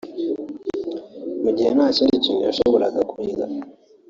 mu gihe nta kindi kintu yashoboraga kurya